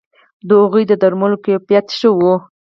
د هغوی د درملو کیفیت ښه وو